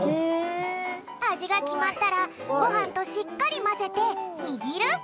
あじがきまったらごはんとしっかりまぜてにぎる！